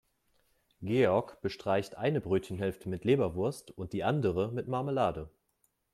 Georg bestreicht eine Brötchenhälfte mit Leberwurst und die andere mit Marmelade.